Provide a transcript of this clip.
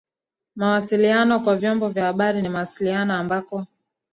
Mawasiliano kwa vyombo vya habari ni mawasiliano ambako